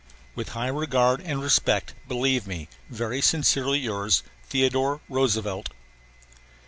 With high regard and respect, believe me Very sincerely yours, THEODORE ROOSEVELT.